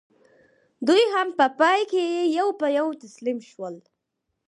دوی هم په پای کې یو په یو تسلیم شول.